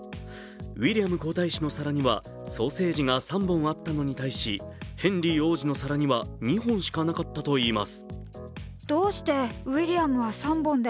ウィリアム皇太子の皿にはソーセージが３本あったのに対しヘンリー王子の皿には２本しかなかったといいます。